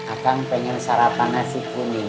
akan pengen sarapan nasi kuning